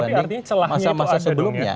jadi celahnya itu ada sebelumnya